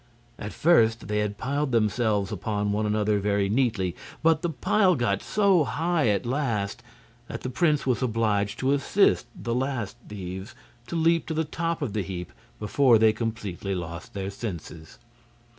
At first they had piled themselves upon one another very neatly; but the pile got so high at last that the prince was obliged to assist the last thieves to leap to the top of the heap before they completely lost their senses.